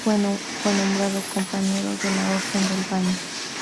Fue nombrado compañero de la Orden del Baño.